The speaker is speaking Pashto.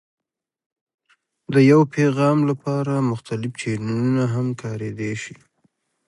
د یو پیغام لپاره مختلف چینلونه هم کارېدای شي.